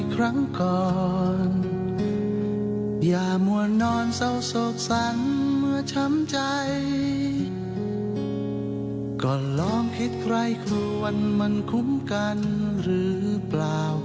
ก่อนลองคิดใกล้ควันมันคุ้มกันหรือเปล่า